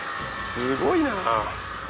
すごいなぁ。